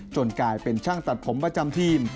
กลายเป็นช่างตัดผมประจำทีม